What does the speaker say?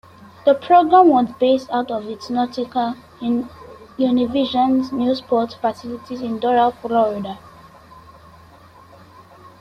The program is based out of Noticias Univision's "NewsPort" facilities in Doral, Florida.